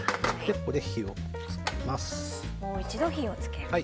ここでもう一度、火を付けます。